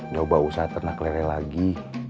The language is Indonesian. gak usah ternak lele lagi